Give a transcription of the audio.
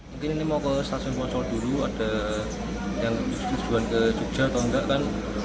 mungkin ini mau ke stasiun poco dulu ada yang tujuan ke jogja atau enggak kan